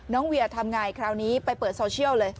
น้องเวียร์ทำง่ายคราวนี้ไปเปิดโซเชียลเลย